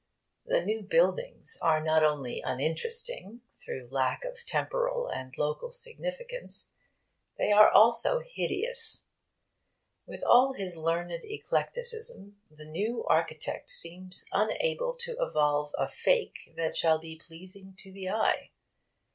The new buildings are not only uninteresting through lack of temporal and local significance: they are also hideous. With all his learned eclecticism, the new architect seems unable to evolve a fake that shall be pleasing to the eye.